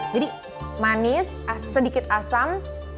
jadi manis sedikit asam